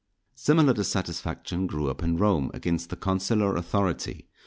Similar dissatisfaction grew up in Rome against the consular authority.